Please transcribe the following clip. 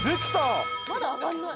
まだ揚がんない。